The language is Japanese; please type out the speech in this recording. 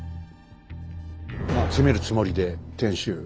攻めるつもりで天主。